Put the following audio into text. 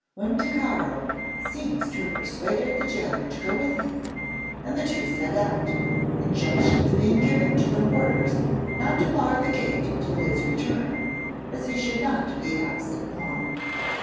Unticaro seems to have persuaded the gaoler to go with him, and the two set out, injunctions being given to the warders not to bar the gate till his return, as he should not be absent long.